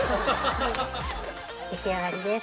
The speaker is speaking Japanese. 出来上がりです。